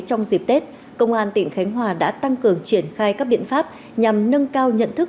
trong dịp tết công an tỉnh khánh hòa đã tăng cường triển khai các biện pháp nhằm nâng cao nhận thức